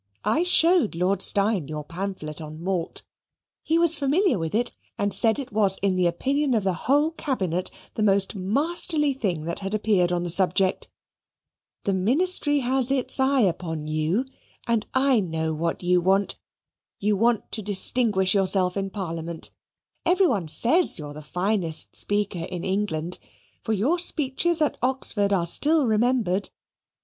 I showed Lord Steyne your pamphlet on malt. He was familiar with it, and said it was in the opinion of the whole Cabinet the most masterly thing that had appeared on the subject. The Ministry has its eye upon you, and I know what you want. You want to distinguish yourself in Parliament; every one says you are the finest speaker in England (for your speeches at Oxford are still remembered).